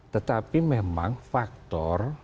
tetapi memang faktor